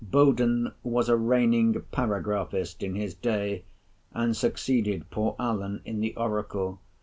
Boaden was a reigning paragraphist in his day, and succeeded poor Allen in the Oracle.